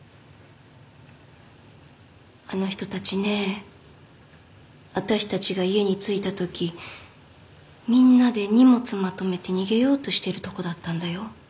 あの人たちね私たちが家に着いたときみんなで荷物まとめて逃げようとしてるとこだったんだよ。